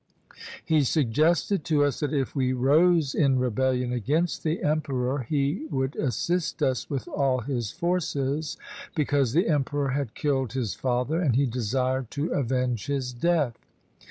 He suggested to us that if we rose in rebellion against the Emperor, he would assist us with all his forces, because the Emperor had killed his father, and he desired to avenge his death.